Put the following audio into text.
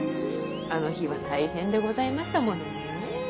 あの日は大変でございましたものねえ。